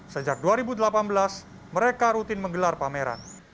sejak dua ribu delapan belas mereka rutin menggelar pameran